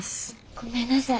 ごめんなさい